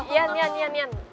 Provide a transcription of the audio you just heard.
ian ian ian